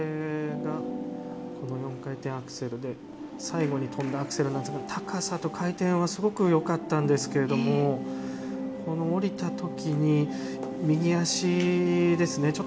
この４回転アクセルで最後に跳んだアクセルなんですが高さと回転はすごくよかったんですが降りたときに右足ですね。